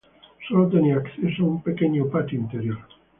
Solo tenía acceso a un pequeño patio interior.